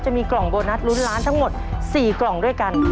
จะมีกล่องโบนัสลุ้นล้านทั้งหมด๔กล่องด้วยกัน